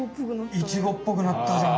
イチゴっぽくなったじゃん。